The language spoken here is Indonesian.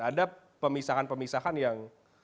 ada pemisahan pemisahan yang